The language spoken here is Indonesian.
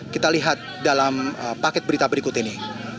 kita lihat dalam paket berita berikut ini